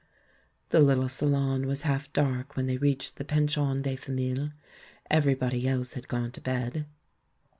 The little salon was half dark when they reached the pension de famille, everybody else had gone to bed.